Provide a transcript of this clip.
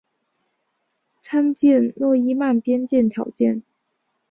参见诺伊曼边界条件。